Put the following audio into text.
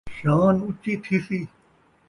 شان اُچی تھیسی